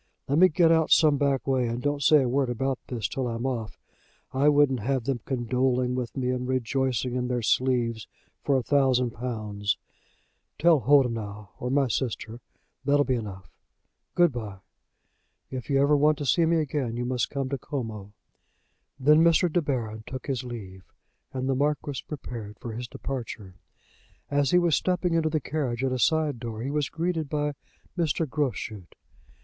"Let me get out some back way, and don't say a word about this till I'm off. I wouldn't have them condoling with me, and rejoicing in their sleeves, for a thousand pounds. Tell Holdenough, or my sister; that'll be enough. Good bye. If you want ever to see me again, you must come to Como." Then Mr. De Baron took his leave, and the Marquis prepared for his departure. As he was stepping into the carriage at a side door he was greeted by Mr. Groschut.